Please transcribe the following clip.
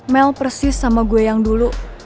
mel persis sama gue yang dulu